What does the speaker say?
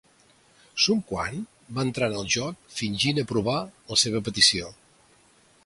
Sun Quan va entrar en el joc fingint aprovar la seva petició.